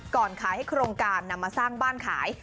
ขายให้โครงการนำมาสร้างบ้านขาย